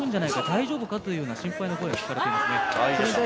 大丈夫かという心配の声が聞かれました。